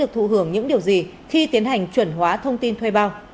thụ hưởng những điều gì khi tiến hành chuẩn hóa thông tin thuê bao